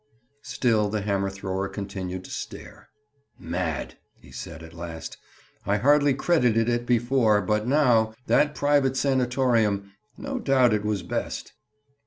Still the hammer thrower continued to stare. "Mad!" he said at last. "I hardly credited it before, but now—That private sanatorium!—No doubt, it was best."